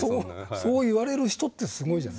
そう言われる人ってすごいじゃない。